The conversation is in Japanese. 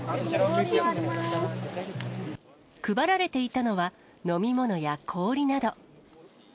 配られていたのは、飲み物や氷など。